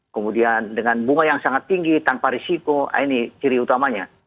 kemudian dengan bunga yang sangat tinggi tanpa risiko ini ciri utamanya